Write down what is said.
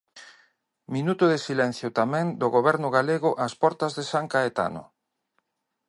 Minuto de silencio tamén do Goberno galego ás portas de San Caetano.